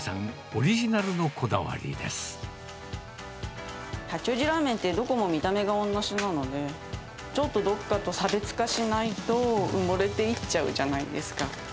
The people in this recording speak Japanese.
オリジナルのこだ八王子ラーメンって、どこも見た目がおんなじなので、ちょっとどこかと差別化しないと、埋もれていっちゃうじゃないですか。